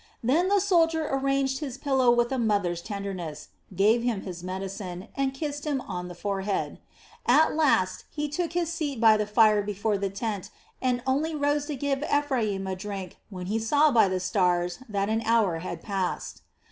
Then the soldier arranged his pillow with a mother's tenderness, gave him his medicine, and kissed him on the forehead. At last he took his seat by the fire before the tent and only rose to give Ephraim a drink when he saw by the stars that an hour had passed.